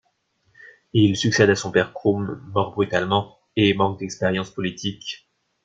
Il succède à son père Kroum, mort brutalement, et manque d’expérience politique.